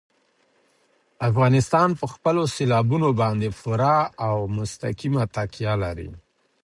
افغانستان په خپلو سیلابونو باندې پوره او مستقیمه تکیه لري.